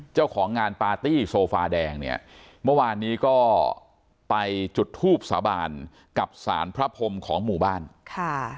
เจ้าของงานปาร์ตี้โซฟาแดงเนี่ยเมื่อวานนี้ก็ไปจุดทูบสาบานกับสารพระพรมของหมู่บ้านค่ะ